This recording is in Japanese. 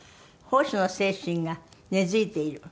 奉仕の精神が根付いている。